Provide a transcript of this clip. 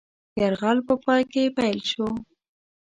یرغل په پای کې پیل شو.